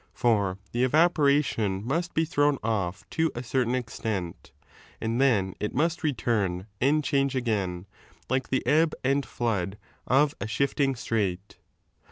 For the evaporation must be thrown off to a certain extent, and then it must return and change again, like the ebb and flood of a shifting strait.